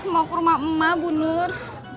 mau ke rumah emak bu nur